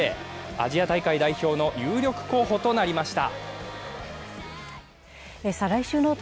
アジア大会代表の有力候補となりました。